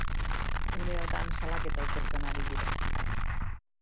Uneotan salaketa ikertzen ari dira.